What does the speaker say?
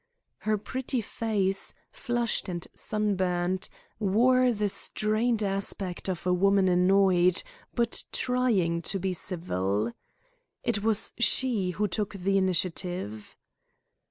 Her pretty face, flushed and sunburnt, wore the strained aspect of a woman annoyed, but trying to be civil. It was she who took the initiative.